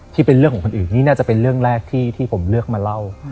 ที่เป็นเรื่องของคนอื่นนี่น่าจะเป็นเรื่องแรกที่ผมเลือกมาเล่า